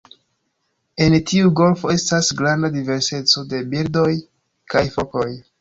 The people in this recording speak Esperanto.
En tiu golfo estas granda diverseco de birdoj kaj fokoj.